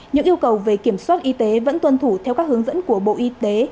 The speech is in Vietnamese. những yêu cầu về kiểm soát y tế vẫn tuân thủ theo các hướng dẫn của bộ y tế